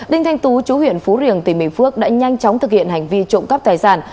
đinh thanh tú chú huyện phú riềng tỉnh bình phước đã nhanh chóng thực hiện hành vi trộm cắp tài sản